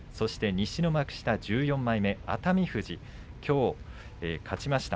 西の幕下１４枚目熱海富士きょう勝ちました。